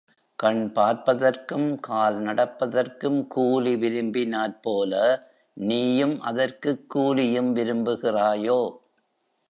கண் பார்ப்பதற்கும், கால் நடப்பதற்கும் கூலி விரும்பினாற் போல நீயும் அதற்குக் கூலியும் விரும்புகிறாயோ?